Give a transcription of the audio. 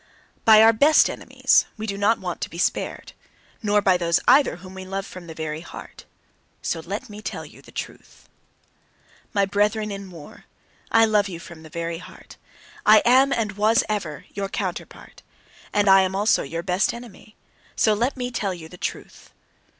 By our best enemies we do not want to be spared, nor by those either whom we love from the very heart. So let me tell you the truth! My brethren in war! I love you from the very heart. I am, and was ever, your counterpart. And I am also your best enemy. So let me tell you the truth!